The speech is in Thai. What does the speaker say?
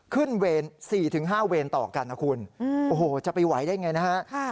เวร๔๕เวรต่อกันนะคุณโอ้โหจะไปไหวได้ไงนะฮะ